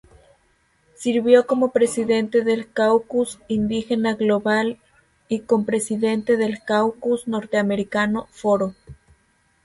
Sirvió como presidente del caucus indígena global y copresidente del caucus norteamericano Foro.